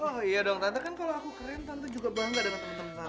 oh iya dong tante kan kalau aku keren tante juga bangga dengan teman teman tante